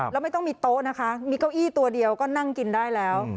แล้วไม่ต้องมีโต๊ะนะคะมีเก้าอี้ตัวเดียวก็นั่งกินได้แล้ว